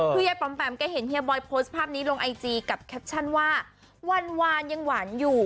คือยายปอมแปมแกเห็นเฮียบอยโพสต์ภาพนี้ลงไอจีกับแคปชั่นว่าหวานยังหวานอยู่